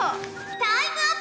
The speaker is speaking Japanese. タイムアップ！